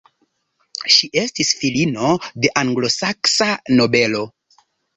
Ŝi estis filino de anglosaksa nobelo.